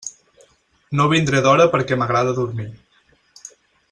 No vindré d'hora perquè m'agrada dormir.